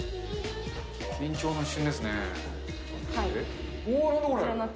緊張の一瞬ですね。